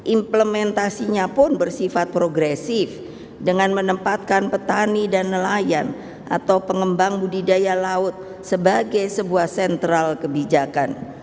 implementasinya pun bersifat progresif dengan menempatkan petani dan nelayan atau pengembang budidaya laut sebagai sebuah sentral kebijakan